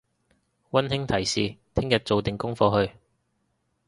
溫馨提示聽日做定功課去！